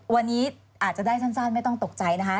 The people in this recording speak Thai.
วันนี้อาจจะได้สั้นไม่ต้องตกใจนะคะ